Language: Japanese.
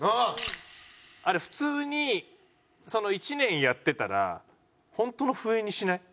あれ普通に１年やってたら本当の笛にしない？